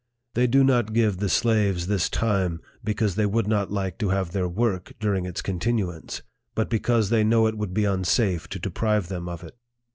They do not give the slaves this time because they would not like to have their work during its continuance, but because they know it would be unsafe to deprive them of it.